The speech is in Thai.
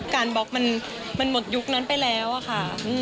บล็อกมันหมดยุคนั้นไปแล้วอะค่ะ